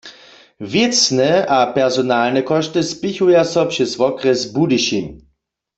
Wěcne a personalne kóšty spěchuja so přez wokrjes Budyšin.